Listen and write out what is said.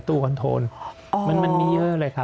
คอนโทนมันมีเยอะเลยครับ